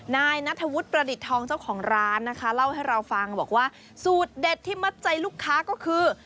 นายนัทธวุฒิประดิษฐทองเจ้าของร้านนะคะเล่าให้เราฟังบอกว่าสูตรเด็ดที่มัดใจลูกค้าก็คือ